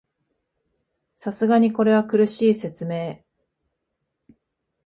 さすがにこれは苦しい説明